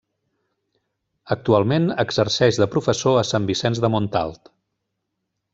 Actualment exerceix de professor a Sant Vicenç de Montalt.